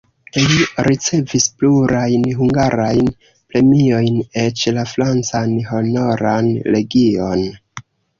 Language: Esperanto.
Li ricevis plurajn hungarajn premiojn, eĉ la francan Honoran legion.